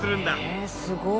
へえすごい。